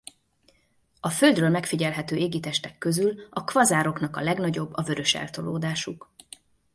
A Földről megfigyelhető égitestek közül a kvazároknak a legnagyobb a vöröseltolódásuk.